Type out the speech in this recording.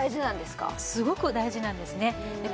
すごく大事なんですねで